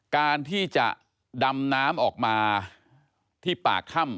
การที่จะดำน้ำออกมาที่ปากถ้ำ